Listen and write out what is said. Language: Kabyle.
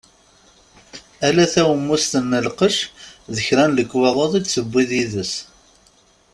Ala tawemmust n lqec d kra n lekwaɣeḍ i d-tewwi d yid-s.